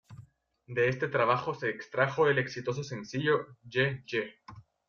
De este trabajo se extrajo el exitoso sencillo "Yeh Yeh".